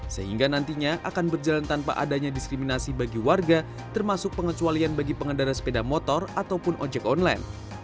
sehingga nantinya akan berjalan tanpa adanya diskriminasi bagi warga termasuk pengecualian bagi pengendara sepeda motor ataupun ojek online